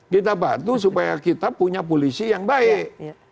kita bantu supaya kita punya polisi yang baik